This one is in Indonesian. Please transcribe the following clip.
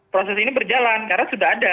proses ini berjalan karena sudah ada